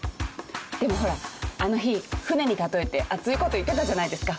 でもほらあの日船に例えて熱いこと言ってたじゃないですか。